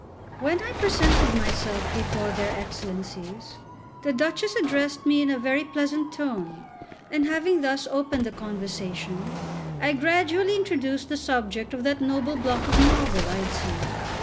When I presented myself before their Excellencies, the Duchess addressed me in a very pleasant tone; and having thus opened the conversation, I gradually introduced the subject of that noble block of marble I had seen.